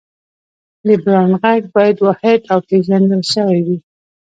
د برانډ غږ باید واحد او پېژندل شوی وي.